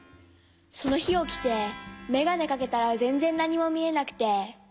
そのひおきてメガネかけたらぜんぜんなにもみえなくて。